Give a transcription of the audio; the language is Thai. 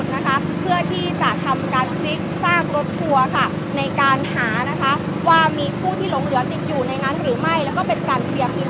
เชือกเขียวอ่ะบรรยากาศการคลิกสร้างรถทัวร์นะคะที่เกิดบุคติเหตุในความบริเวณเผาคลึง